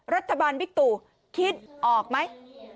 รัฐบาลวิตุคิดออกไหม